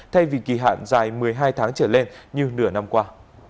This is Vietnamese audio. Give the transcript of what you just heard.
thay vì kỳ hạn dài một mươi hai tháng trở lên như nửa năm qua